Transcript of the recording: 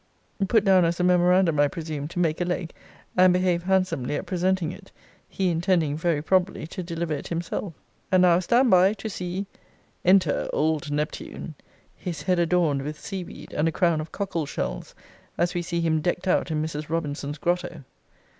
Put down as a memorandum, I presume, to make a leg, and behave handsomely at presenting it, he intending, very probably, to deliver it himself. And now stand by to see ENTER OLD NEPTUNE. His head adorned with sea weed, and a crown of cockle shells; as we see him decked out in Mrs. Robinson's grotto.